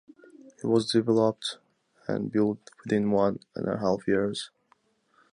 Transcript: It was developed and built within one and a half years.